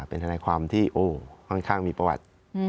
เป็นทนายความที่ค่อนข้างมีประวัติ